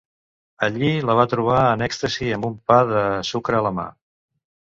Allí la va trobar en èxtasi amb un pa de sucre a la mà.